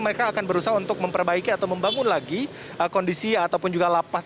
mereka akan berusaha untuk memperbaiki atau membangun lagi kondisi ataupun juga lapas